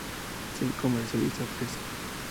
Se comercializa fresco.